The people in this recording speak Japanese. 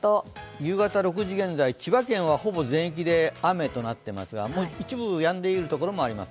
夕方６時現在、千葉県はほぼ全域で雨となっていますが、一部やんでいるところもあります。